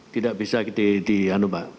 tidak bisa dihanu pak